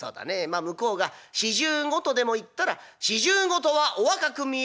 まあ向こうが『４５』とでも言ったら『４５とはお若く見える！